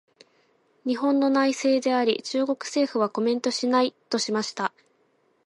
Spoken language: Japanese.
「日本の内政であり、中国政府はコメントしない」としました。